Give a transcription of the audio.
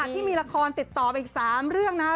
ขณะที่มีละครติดต่อไปอีก๓เรื่องนะ